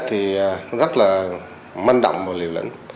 thì rất là manh động và liều lĩnh